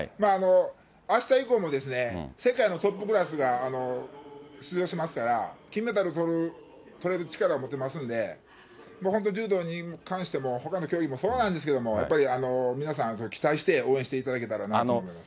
あした以降も世界のトップクラスが出場しますから、金メダルとれる力を持ってますんで、本当、柔道に関しても、ほかの競技もそうなんですけれども、やっぱり皆さん、期待して応援していただけたらなと思います。